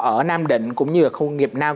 ở nam định cũng như là khu công nghiệp